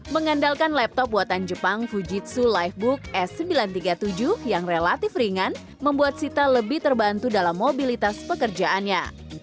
mengandalkan laptop buatan jepang fujitsu livebook s sembilan ratus tiga puluh tujuh yang relatif ringan membuat sita lebih terbantu dalam mobilitas pekerjaannya